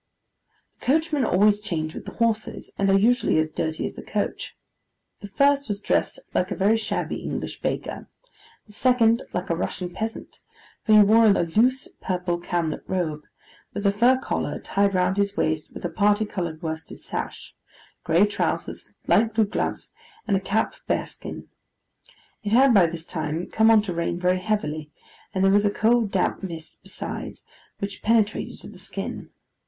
The coachmen always change with the horses, and are usually as dirty as the coach. The first was dressed like a very shabby English baker; the second like a Russian peasant: for he wore a loose purple camlet robe, with a fur collar, tied round his waist with a parti coloured worsted sash; grey trousers; light blue gloves: and a cap of bearskin. It had by this time come on to rain very heavily, and there was a cold damp mist besides, which penetrated to the skin.